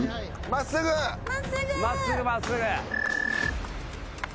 真っすぐ真っすぐ。